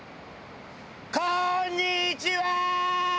こんにちは！！